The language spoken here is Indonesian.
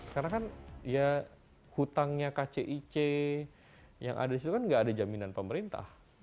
karena kan ya hutangnya kcic yang ada disitu kan gak ada jaminan pemerintah